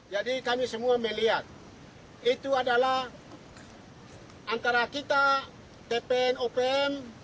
jadi kami semua melihat itu adalah antara kita tpn opm